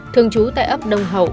thường trú tại ấp đông hậu